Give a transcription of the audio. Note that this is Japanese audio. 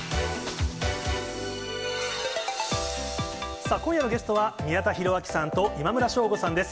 さあ、今夜のゲストは、宮田裕章さんと今村翔吾さんです。